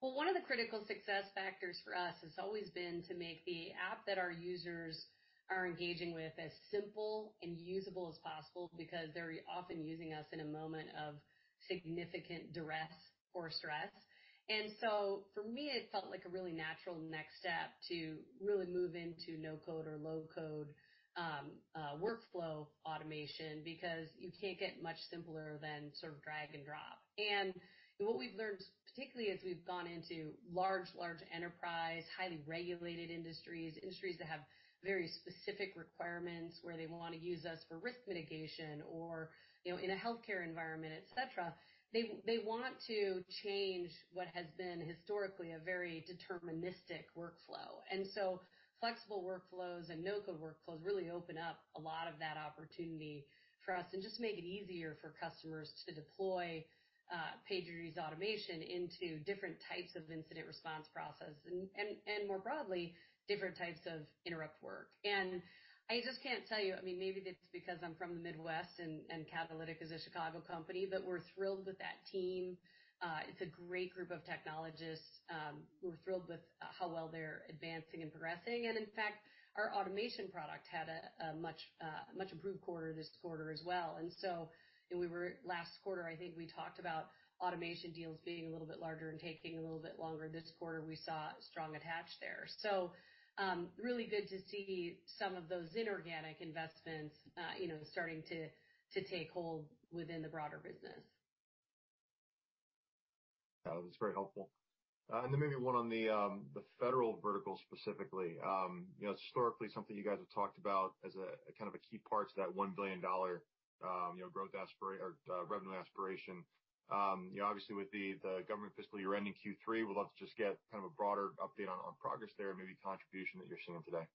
One of the critical success factors for us has always been to make the app that our users are engaging with as simple and usable as possible because they're often using us in a moment of significant duress or stress. For me, it felt like a really natural next step to really move into no-code or low-code workflow automation because you can't get much simpler than sort of drag and drop. What we've learned, particularly as we've gone into large enterprise, highly regulated industries that have very specific requirements where they wanna use us for risk mitigation or, you know, in a healthcare environment, et cetera, they want to change what has been historically a very deterministic workflow. Incident Workflows and no-code workflows really open up a lot of that opportunity for us and just make it easier for customers to deploy PagerDuty's automation into different types of incident response process and more broadly, different types of interrupt work. I just can't tell you, I mean, maybe it's because I'm from the Midwest and Catalytic is a Chicago company, but we're thrilled with that team. It's a great group of technologists. We're thrilled with how well they're advancing and progressing. In fact, our automation product had a much improved quarter this quarter as well. You know, we were last quarter, I think we talked about automation deals being a little bit larger and taking a little bit longer. This quarter, we saw strong attach there. Really good to see some of those inorganic investments, you know, starting to take hold within the broader business. That was very helpful. Maybe one on the federal vertical specifically. You know, historically something you guys have talked about as a, kind of a key part to that $1 billion, you know, growth or revenue aspiration. You know, obviously with the government fiscal year ending Q3, we'd love to just get kind of a broader update on progress there and maybe contribution that you're seeing today.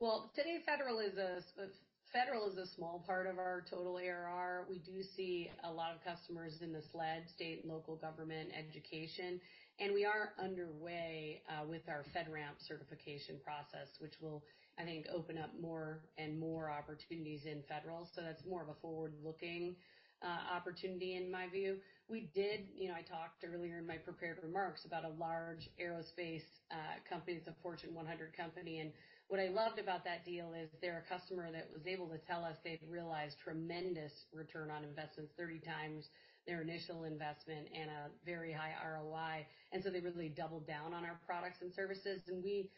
Well, today Federal is a small part of our total ARR. We do see a lot of customers in the SLED, state and local government, education, and we are underway with our FedRAMP certification process, which will, I think, open up more and more opportunities in Federal. That's more of a forward-looking opportunity in my view. You know, I talked earlier in my prepared remarks about a large aerospace company. It's a Fortune 100 company. What I loved about that deal is they're a customer that was able to tell us they've realized tremendous return on investment, 30x their initial investment and a very high ROI. They really doubled down on our products and services. We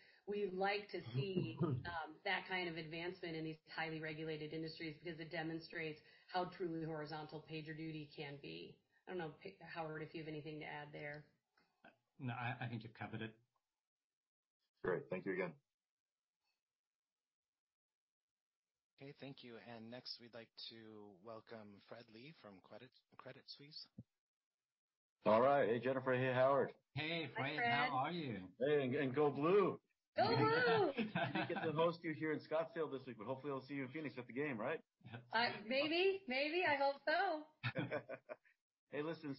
like to see. Mm-hmm. that kind of advancement in these highly regulated industries because it demonstrates how truly horizontal PagerDuty can be. I don't know, Howard, if you have anything to add there. No, I think you've covered it. Great. Thank you again. Okay, thank you. Next, we'd like to welcome Fred Lee from Credit Suisse. All right. Hey, Jennifer. Hey, Howard. Hey, Fred. Hi, Fred. How are you? Hey, G-Go Blue. Go Blue. We didn't get to host you here in Scottsdale this week, but hopefully we'll see you in Phoenix at the game, right? Maybe. I hope so. Hey, listen.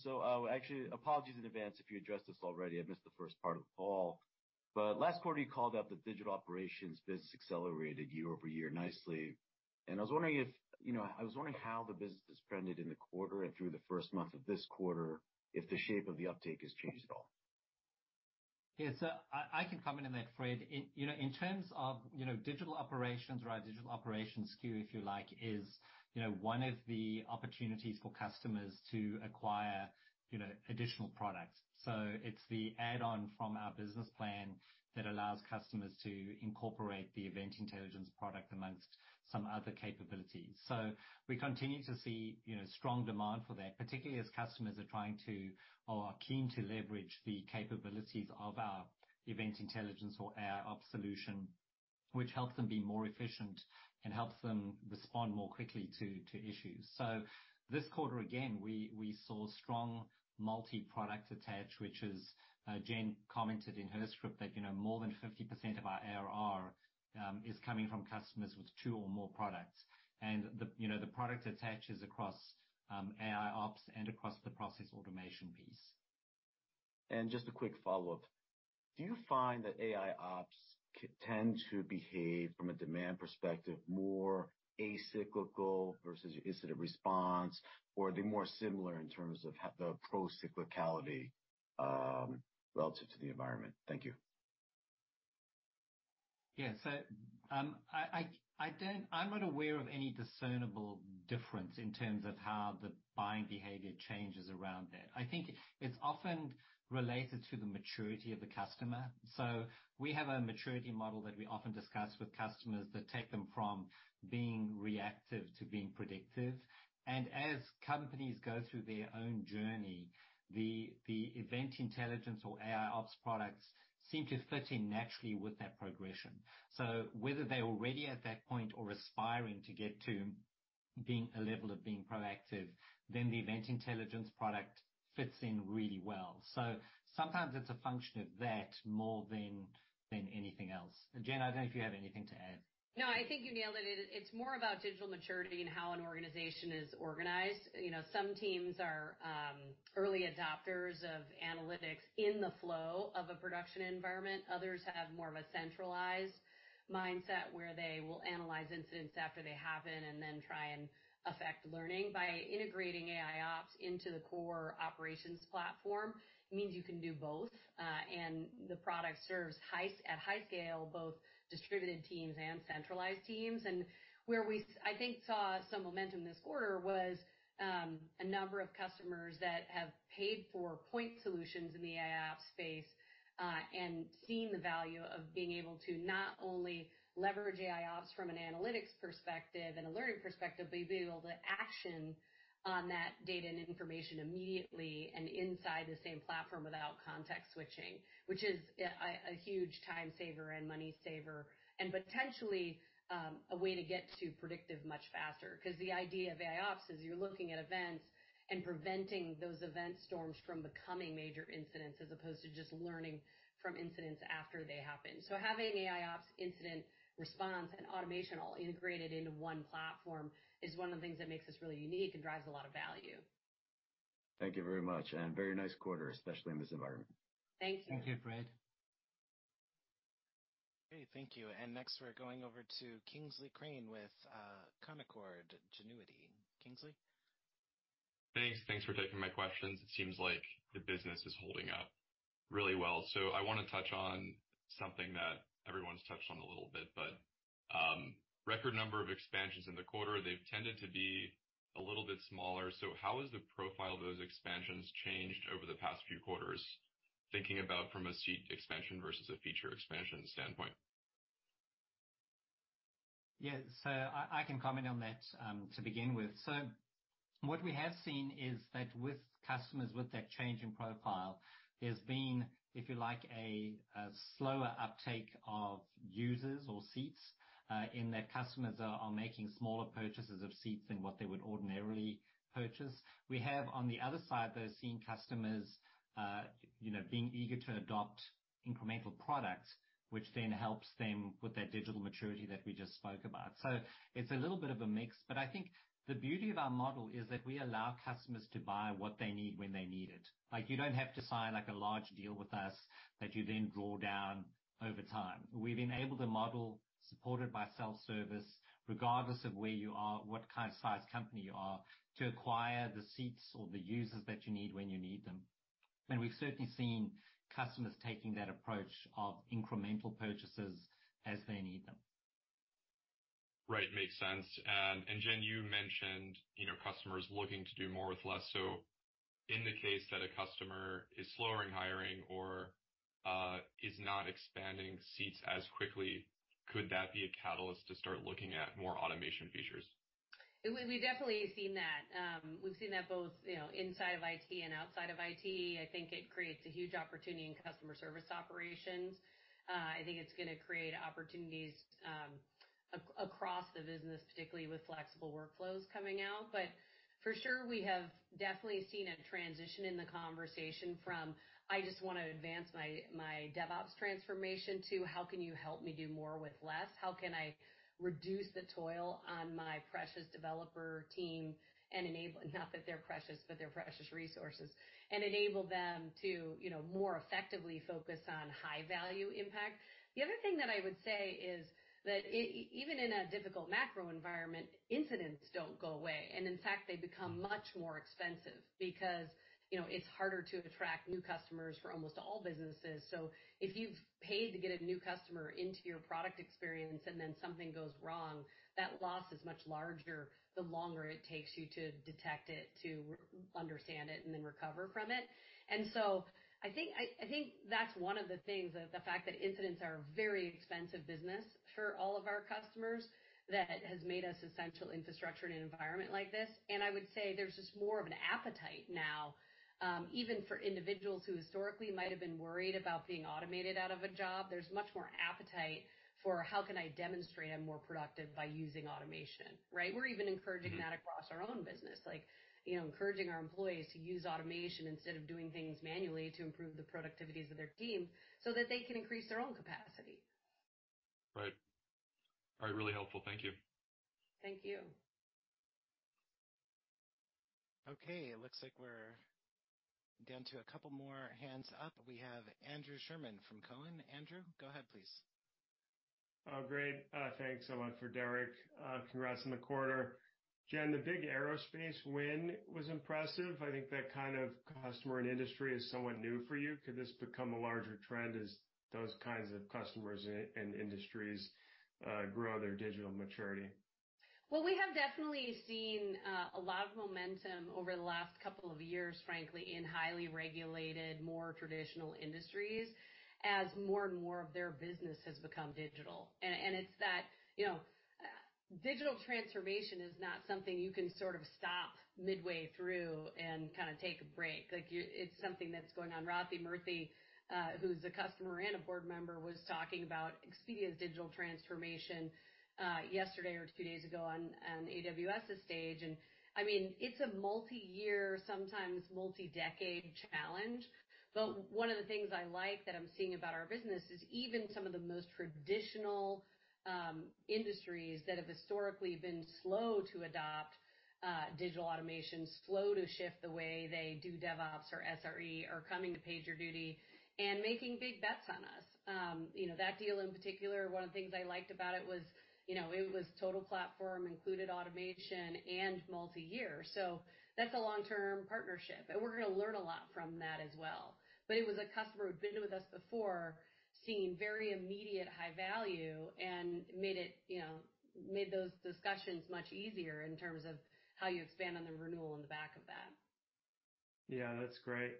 Actually, apologies in advance if you addressed this already. I missed the first part of the call. Last quarter, you called out the digital operations business accelerated year-over-year nicely. I was wondering if, you know, I was wondering how the business has trended in the quarter and through the first month of this quarter, if the shape of the uptake has changed at all? Yeah. I can comment on that, Fred. In terms of digital operations, right? Digital operations SKU, if you like, is one of the opportunities for customers to acquire additional products. It's the add-on from our business plan that allows customers to incorporate the Event Intelligence product amongst some other capabilities. We continue to see strong demand for that, particularly as customers are trying to or are keen to leverage the capabilities of our Event Intelligence or AIOps solution, which helps them be more efficient and helps them respond more quickly to issues. This quarter, again, we saw strong multi-product attach, which is Jen commented in her script that more than 50% of our ARR is coming from customers with two or more products. The, you know, the product attaches across AIOps and across the Process Automation piece. Just a quick follow-up. Do you find that AIOps tend to behave from a demand perspective more acyclical versus incident response? Or are they more similar in terms of the pro cyclicality relative to the environment? Thank you. Yeah. I'm not aware of any discernible difference in terms of how the buying behavior changes around that. I think it's often related to the maturity of the customer. We have a maturity model that we often discuss with customers that take them from being reactive to being predictive. As companies go through their own journey, the Event Intelligence or AIOps products seem to fit in naturally with that progression. Whether they're already at that point or aspiring to get to being a level of being proactive, then the Event Intelligence product fits in really well. Sometimes it's a function of that more than anything else. Jen, I don't know if you have anything to add. No, I think you nailed it. It's more about digital maturity and how an organization is organized. You know, some teams are early adopters of analytics in the flow of a production environment. Others have more of a centralized mindset, where they will analyze incidents after they happen and then try and affect learning. By integrating AIOps into the core operations platform means you can do both. The product serves at high scale, both distributed teams and centralized teams. Where we saw some momentum this quarter was a number of customers that have paid for point solutions in the AIOps space and seen the value of being able to not only leverage AIOps from an analytics perspective and alerting perspective, but be able to action on that data and information immediately and inside the same platform without context switching, which is a huge time saver and money saver and potentially a way to get to predictive much faster. 'Cause the idea of AIOps is you're looking at events and preventing those event storms from becoming major incidents, as opposed to just learning from incidents after they happen. Having AIOps incident response and automation all integrated into one platform is one of the things that makes us really unique and drives a lot of value. Thank you very much and very nice quarter, especially in this environment. Thank you. Thank you, Fred. Okay, thank you. Next, we're going over to Kingsley Crane with Canaccord Genuity. Kingsley? Thanks. Thanks for taking my questions. It seems like the business is holding up really well. I wanna touch on something that everyone's touched on a little bit. Record number of expansions in the quarter, they've tended to be a little bit smaller. How has the profile of those expansions changed over the past few quarters? Thinking about from a seat expansion versus a feature expansion standpoint. Yeah. I can comment on that to begin with. What we have seen is that with customers with that change in profile, there's been, if you like, a slower uptake of users or seats, in that customers are making smaller purchases of seats than what they would ordinarily purchase. We have on the other side, though, seen customers, you know, being eager to adopt incremental products, which then helps them with their digital maturity that we just spoke about. It's a little bit of a mix, but I think the beauty of our model is that we allow customers to buy what they need when they need it. Like, you don't have to sign like a large deal with us that you then draw down over time. We've enabled a model supported by self-service, regardless of where you are, what kind of size company you are, to acquire the seats or the users that you need when you need them. We've certainly seen customers taking that approach of incremental purchases as they need them. Right. Makes sense. Jen, you mentioned, you know, customers looking to do more with less. In the case that a customer is slower in hiring or is not expanding seats as quickly, could that be a catalyst to start looking at more automation features? We've definitely seen that. We've seen that both, you know, inside of IT and outside of IT. I think it creates a huge opportunity in customer service operations. I think it's gonna create opportunities across the business, particularly with Incident Workflows coming out. For sure, we have definitely seen a transition in the conversation from, "I just wanna advance my DevOps transformation," to, "How can you help me do more with less? How can I reduce the toil on my precious developer team? Not that they're precious, but they're precious resources. And enable them to, you know, more effectively focus on high value impact. The other thing that I would say is that even in a difficult macro environment, incidents don't go away, and in fact, they become much more expensive because, you know, it's harder to attract new customers for almost all businesses. If you've paid to get a new customer into your product experience and then something goes wrong, that loss is much larger the longer it takes you to detect it, to understand it, and then recover from it. I think that's one of the things, the fact that incidents are very expensive business for all of our customers that has made us essential infrastructure in an environment like this. I would say there's just more of an appetite now, even for individuals who historically might have been worried about being automated out of a job, there's much more appetite for how can I demonstrate I'm more productive by using automation, right? We're even encouraging that across our own business, like, you know, encouraging our employees to use automation instead of doing things manually to improve the productivity of their team so that they can increase their own capacity. Right. All right, really helpful. Thank you. Thank you. Okay, it looks like we're down to a couple more hands up. We have Andrew Sherman from Cowen. Andrew, go ahead, please. Oh, great. Thanks so much for Derek. Congrats on the quarter. Jen, the big aerospace win was impressive. I think that kind of customer and industry is somewhat new for you. Could this become a larger trend as those kinds of customers and industries grow their digital maturity? Well, we have definitely seen a lot of momentum over the last couple of years, frankly, in highly regulated, more traditional industries as more and more of their business has become digital. It's that, you know, digital transformation is not something you can sort of stop midway through and kinda take a break. Like, it's something that's going on. Rathi Murthy, who's a customer and a board member, was talking about Expedia's digital transformation yesterday or 2 days ago on AWS's stage. I mean, it's a multi-year, sometimes multi-decade challenge. One of the things I like that I'm seeing about our business is even some of the most traditional industries that have historically been slow to adopt digital automation, slow to shift the way they do DevOps or SRE are coming to PagerDuty and making big bets on us. You know, that deal in particular, one of the things I liked about it was, you know, it was total platform, included automation and multi-year. That's a long-term partnership, and we're gonna learn a lot from that as well. It was a customer who'd been with us before, seeing very immediate high value and made it, you know, made those discussions much easier in terms of how you expand on the renewal on the back of that. Yeah, that's great.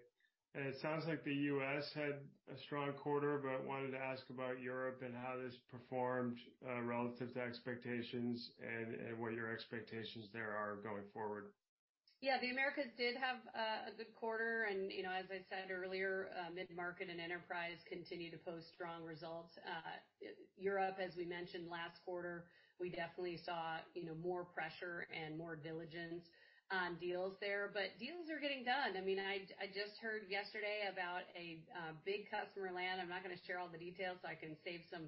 It sounds like the US had a strong quarter. Wanted to ask about Europe and how this performed, relative to expectations and what your expectations there are going forward. Yeah, the Americas did have a good quarter. You know, as I said earlier, mid-market and enterprise continue to post strong results. Europe, as we mentioned last quarter, we definitely saw, you know, more pressure and more diligence on deals there. Deals are getting done. I mean, I just heard yesterday about a big customer land. I'm not gonna share all the details so I can save some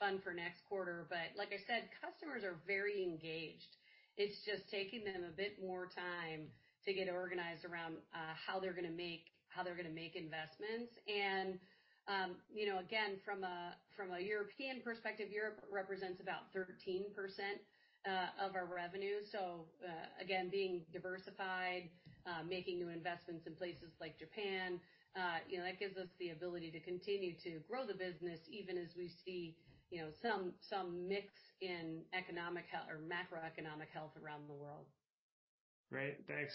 fun for next quarter. Like I said, customers are very engaged. It's just taking them a bit more time to get organized around how they're gonna make investments. You know, again, from a European perspective, Europe represents about 13% of our revenue. Again, being diversified, making new investments in places like Japan, you know, that gives us the ability to continue to grow the business even as we see, you know, some mix in economic health or macroeconomic health around the world. Great. Thanks.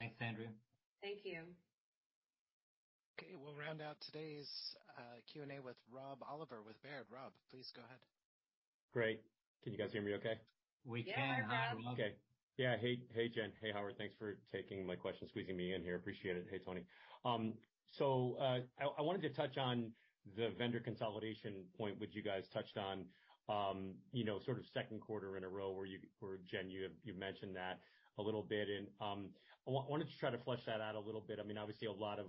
Thanks, Andrew. Thank you. Okay, we'll round out today's Q&A with Rob Oliver with Baird. Rob, please go ahead. Great. Can you guys hear me okay? We can, Rob. Yeah. Okay. Yeah. Hey, hey, Jen. Hey, Howard. Thanks for taking my question, squeezing me in here. Appreciate it. Hey, Tony. I wanted to touch on the vendor consolidation point, which you guys touched on, you know, sort of second quarter in a row where Jen, you mentioned that a little bit. I wanted to try to flesh that out a little bit. I mean, obviously a lot of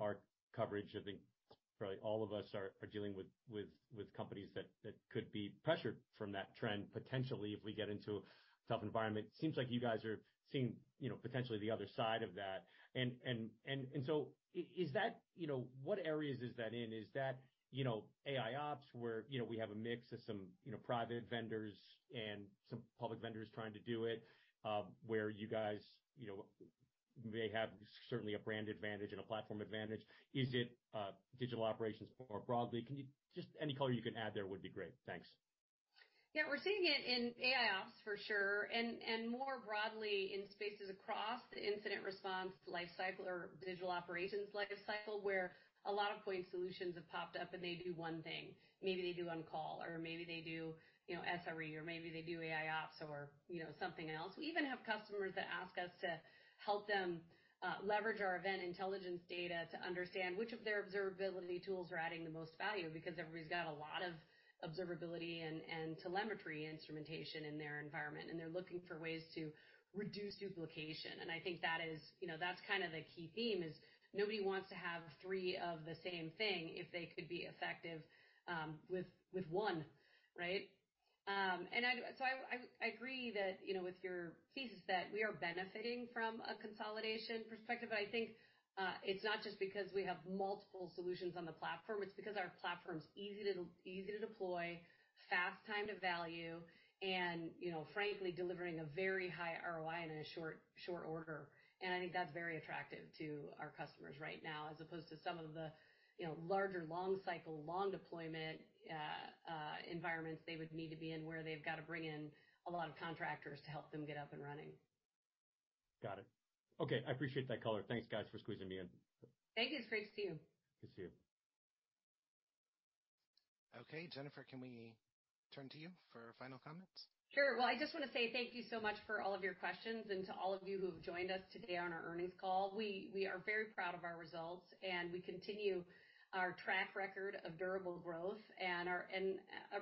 our coverage, I think probably all of us are dealing with companies that could be pressured from that trend potentially, if we get into a tough environment. It seems like you guys are seeing, you know, potentially the other side of that. Is that, you know, what areas is that in? Is that, you know, AIOps where, you know, we have a mix of some, you know, private vendors and some public vendors trying to do it, where you guys, you know, may have certainly a brand advantage and a platform advantage? Is it digital operations more broadly? Just any color you can add there would be great. Thanks. We're seeing it in AIOps for sure, and more broadly in spaces across the incident response lifecycle or digital operations lifecycle, where a lot of point solutions have popped up, and they do one thing. Maybe they do on-call or maybe they do, you know, SRE or maybe they do AIOps or, you know, something else. We even have customers that ask us to help them leverage our Event Intelligence data to understand which of their observability tools are adding the most value because everybody's got a lot of observability and telemetry instrumentation in their environment, and they're looking for ways to reduce duplication. I think that is, you know, that's kind of the key theme is nobody wants to have three of the same thing if they could be effective with one, right? I agree that, you know, with your thesis that we are benefiting from a consolidation perspective, but I think it's not just because we have multiple solutions on the platform, it's because our platform's easy to deploy, fast time to value and, you know, frankly, delivering a very high ROI in a short order. I think that's very attractive to our customers right now as opposed to some of the, you know, larger long cycle, long deployment, environments they would need to be in, where they've got to bring in a lot of contractors to help them get up and running. Got it. Okay, I appreciate that color. Thanks, guys, for squeezing me in. Thank you. It's great to see you. Good to see you. Jennifer, can we turn to you for final comments? Sure. Well, I just wanna say thank you so much for all of your questions and to all of you who've joined us today on our earnings call. We are very proud of our results, and we continue our track record of durable growth and are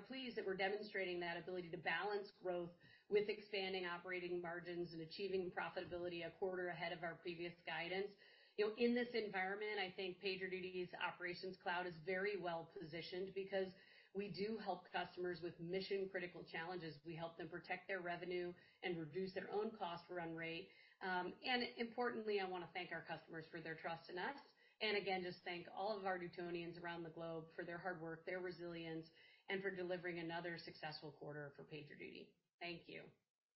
pleased that we're demonstrating that ability to balance growth with expanding operating margins and achieving profitability a quarter ahead of our previous guidance. You know, in this environment, I think PagerDuty's Operations Cloud is very well positioned because we do help customers with mission-critical challenges. We help them protect their revenue and reduce their own cost run rate. Importantly, I wanna thank our customers for their trust in us, and again, just thank all of our Dutonians around the globe for their hard work, their resilience, and for delivering another successful quarter for PagerDuty. Thank you.